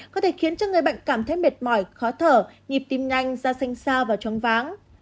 có thể khiến cho người bệnh cảm thấy mệt mỏi khó thở nhịp tim nhanh da xanh sao và chóng váng